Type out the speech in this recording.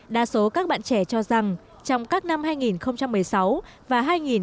đa số các bạn trẻ cho rằng trong các năm hai nghìn một mươi sáu và hai nghìn một mươi